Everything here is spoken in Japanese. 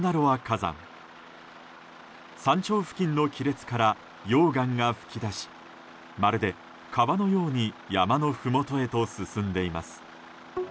山頂付近の亀裂から溶岩が噴き出しまるで川のように山のふもとへと進んでいます。